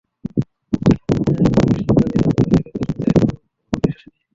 Consul general Monirul Islam জানিয়েছেন, আদালত থেকে তাঁর কাছে এখনো কোনো নোটিশ আসেনি।